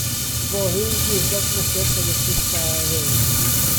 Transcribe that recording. Yfory yw Diwnrod Neges Ewyllys Da yr Urdd.